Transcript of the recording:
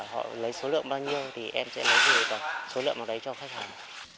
họ lấy số lượng bao nhiêu thì em sẽ lấy số lượng vào đấy cho khách hàng